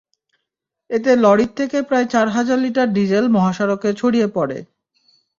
এতে লরির থেকে প্রায় চার হাজার লিটার ডিজেল মহাসড়কে ছড়িয়ে পড়ে।